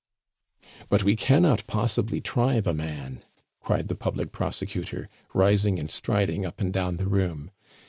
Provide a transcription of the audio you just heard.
"But we cannot possibly try the man!" cried the public prosecutor, rising and striding up and down the room.